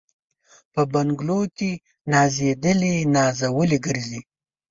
په بنګلو کي نازېدلي نازولي ګرځي